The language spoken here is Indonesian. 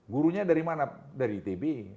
gurunya dari mana dari itb